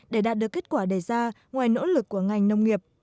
để đạt được kết quả đề ra ngoài nỗ lực của ngành nông nghiệp